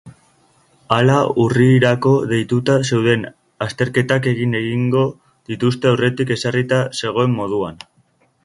Hala, urrirako deituta zeuden azterketak egin egingo dituzte aurretik ezarrita zegoen moduan.